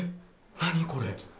何これ？